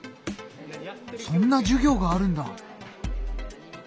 そんな授業があるんだ！